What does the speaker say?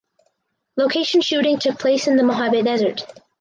Location shooting took place in the Mojave Desert.